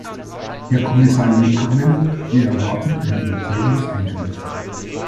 Herr Kommissar Liikanen, wir erwarten ein überzeugendes Eingreifen.